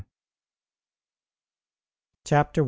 ] CHAPTER I.